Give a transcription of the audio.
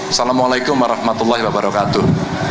assalamu'alaikum warahmatullahi wabarakatuh